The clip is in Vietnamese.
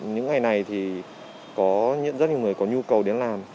những ngày này thì có rất nhiều người có nhu cầu đến làm